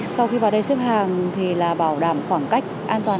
sau khi vào đây xếp hàng thì là bảo đảm khoảng cách an toàn